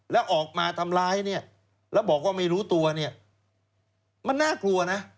แล้วออกมาทำร้ายเนี่ยแล้วบอกว่าไม่รู้ตัวเนี่ยมันน่ากลัวนะ